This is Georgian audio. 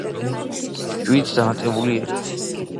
შვიდს დამატებული ერთი.